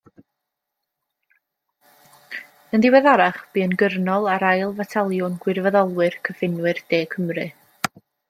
Yn ddiweddarach bu yn Gyrnol ar Ail Fataliwn Gwirfoddolwyr Cyffinwyr De Cymru.